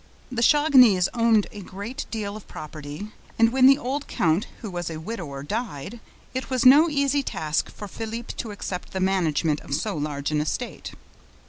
The Chagnys owned a great deal of property; and, when the old count, who was a widower, died, it was no easy task for Philippe to accept the management of so large an estate.